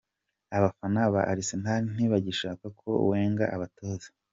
Abafana ba Arsenal ntibagishaka ko Wenger abatoza.